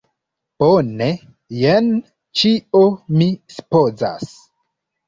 Bone, jen ĉio mi supozas!